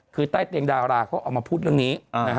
คือใต้เตียงดาราเขาเอามาพูดเรื่องนี้